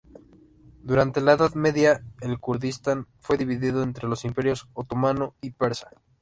Durante la Edad Media, el Kurdistán fue dividido entre los imperios otomano y persa.